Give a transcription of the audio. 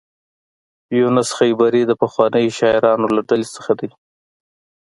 یونس خیبري د پخوانیو شاعرانو له ډلې څخه دی.